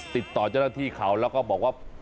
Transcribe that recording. ติดต่อที่เขาแล้วก็บอกว่า